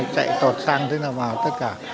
chạy tọt xăng tới là vào tất cả